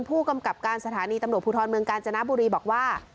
ผู้กำกับการสถานีตำรวจภูทรเมืองกาญจนบุรีบอกว่า